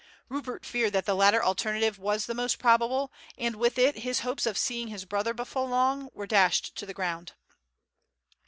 Rupert feared that the latter alternative was the most probable, and with it his hopes of seeing his brother before long were dashed to the ground.